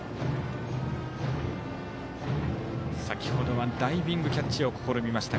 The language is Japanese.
先ほどはダイビングキャッチを試みました